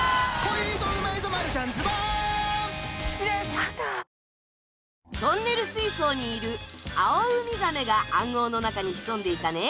三井不動産トンネル水槽にいる「アオウミガメ」が暗号の中に潜んでいたね